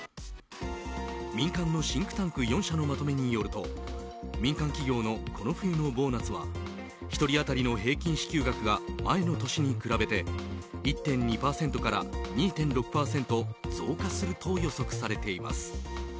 民間のシンクタンク４社のまとめによると民間企業のこの冬のボーナスは１人当たりの平均支給額が前の年に比べて１．２％から２．６％増加すると予測されています。